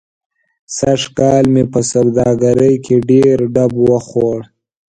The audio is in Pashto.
سږ کال مې په سوادګرۍ کې ډېر ډب و خوړ.